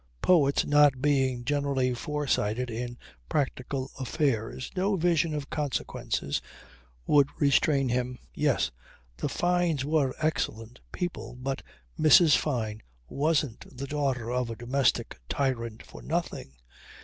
Poets not being generally foresighted in practical affairs, no vision of consequences would restrain him. Yes. The Fynes were excellent people, but Mrs. Fyne wasn't the daughter of a domestic tyrant for nothing.